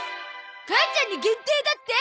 母ちゃんに限定だって！